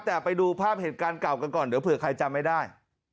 แต่ไปดูภาพเหตุการณ์เก่ากันก่อนเดี๋ยวเผื่อใครจำไม่ได้